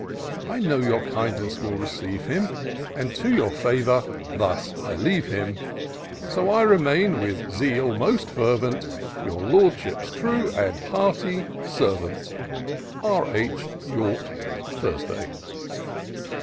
I know your kindness will receive him, And to your favour thus I leave him. \ So I remain, with zeal most fervent, I Your Lordsliip's true and hearty servant. R. H." ^ORK, Thursday.